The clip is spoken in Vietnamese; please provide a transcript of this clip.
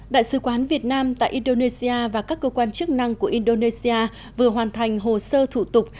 đại sứ quán việt nam tại indonesia và các cơ quan chức năng của indonesia vừa hoàn thành hồ sơ thủ tục